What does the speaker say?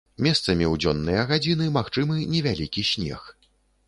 Месцамі ў дзённыя гадзіны магчымы невялікі снег.